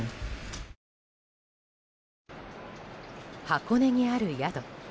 箱根にある宿。